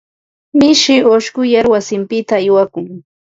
Mishi ushquyar wasinpita aywakun.